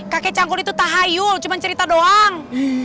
kakek canggul itu tak hayul cuman cerita doang